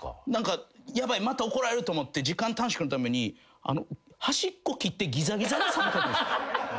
ヤバいまた怒られると思って時間短縮のために端っこ切ってギザギザの三角にしてた。